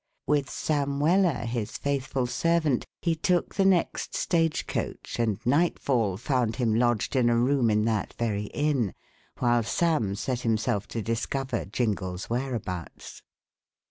With Sam Weller, his faithful servant, he took the next stage coach and nightfall found him lodged in a room in that very inn, while Sam set himself to discover Jingle's whereabouts.